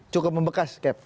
cukup membekas keb